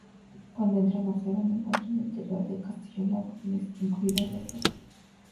Cuando entran observan encuentran el interior del castillo helado, incluidas las personas.